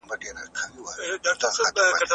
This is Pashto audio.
تر ټولو رسوا حد ته رسيدلي وو.